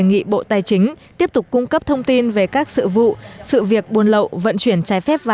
nghị bộ tài chính tiếp tục cung cấp thông tin về các sự vụ sự việc buôn lậu vận chuyển trái phép